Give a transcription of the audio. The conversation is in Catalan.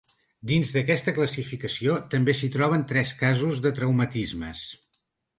Dins d’aquesta classificació, també s’hi troben tres casos de traumatismes.